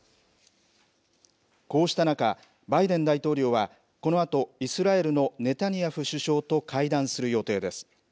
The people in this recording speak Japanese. こうした中、バイデン大統領はこのあと、イスラエルのネタニヤフ首相と会談する予定です。